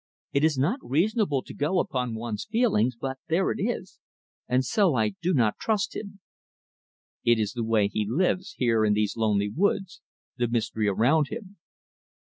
It is not reasonable to go upon one's feelings; but there it is, and so I do not trust him." "It is the way he lives, here in these lonely woods the mystery around him."